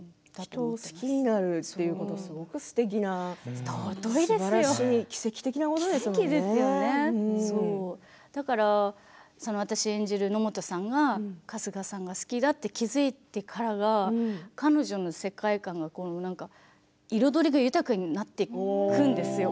人を好きになるってすごくすてきなことだから私、演じる野本さんが春日さんが好きだと気付いてからは彼女の世界観が彩りが豊かになっていくんですよ